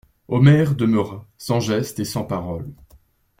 Omer demeura, sans geste et sans parole.